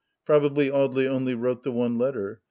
Probably Audely only wrote the one letter.